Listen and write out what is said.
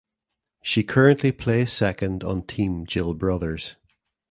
She currently plays second on Team Jill Brothers.